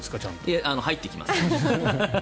いえ、入ってきます。